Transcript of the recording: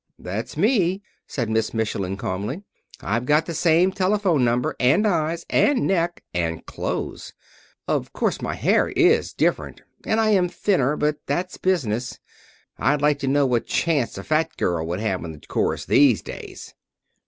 "That's me," said Miss Michelin calmly. "I've got the same telephone number and eyes and neck and clothes. Of course my hair is different and I am thinner, but that's business. I'd like to know what chance a fat girl would have in the chorus these days."